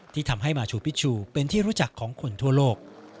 ที่ทำให้มาชูพิชชูเป็นที่รู้จักของคนทั่วโลก